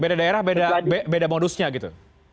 beda daerah beda modusnya gitu